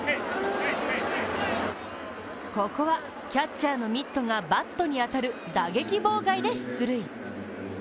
ここはキャッチャーのミットがバットに当たる打撃妨害で出塁。